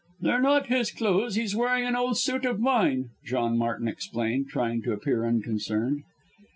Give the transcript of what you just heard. "They're not his clothes he's wearing an old suit of mine," John Martin explained, trying to appear unconcerned.